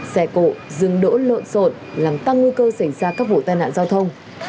xe cổ rừng đỗ lộn sột làm tăng nguy cơ xảy ra các vụ tai nạn giao thông